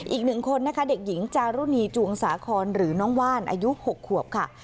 อีกหนึ่งคนนะคะเด็กหญิงจารุณีจวงสาคอนหรือน้องว่านอายุ๖ขวบค่ะ